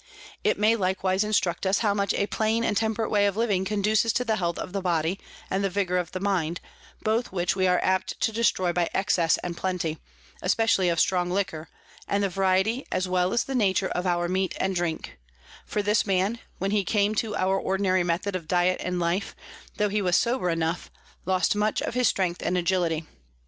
It may likewise instruct us, how much a plain and temperate way of living conduces to the Health of the Body and the Vigour of the Mind, both which we are apt to destroy by Excess and Plenty, especially of strong Liquor, and the Variety as well as the Nature of our Meat and Drink: for this Man, when he came to our ordinary Method of Diet and Life, tho he was sober enough, lost much of his Strength and Agility.